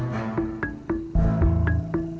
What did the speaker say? kalau dia sudah semangat